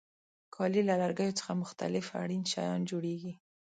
کالي له لرګیو څخه مختلف اړین شیان جوړیږي.